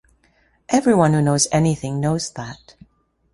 Everyone who knows anything knows that.